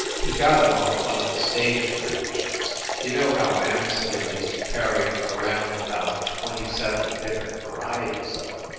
He got em off one of the stage managers you know how Mansfield used to carry around about twenty seven different varieties of em?